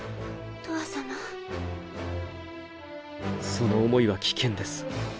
その思いは危険です。